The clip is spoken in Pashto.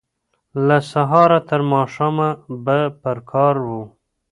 له سهاره ترماښامه به پر کار و